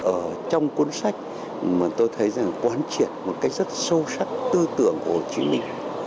ở trong cuốn sách mà tôi thấy rằng quán triệt một cách rất sâu sắc tư tưởng của hồ chí minh